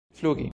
flugi